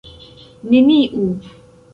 neniu